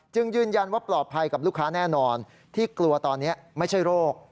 ยืนยันว่าปลอดภัยกับลูกค้าแน่นอนที่กลัวตอนนี้ไม่ใช่โรค